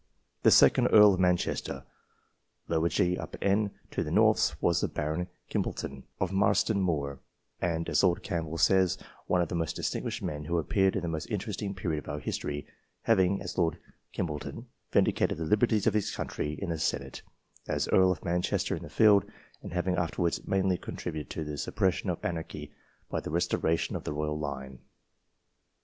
The second Earl of Manchester, gN. to the Norths, was the Baron Kimbolton, of Marston Moor, and, as Lord Campbell says, " one of the most distinguished men who appeared in the most interesting period of our history ; having, as Lord Kimbolton, vindicated the liberties of his country in the Senate, as Earl of Manchester in the field, THE JUDGES OF ENGLAND and having afterwards mainly contributed to the sup pression of anarchy by the restoration of the royal line."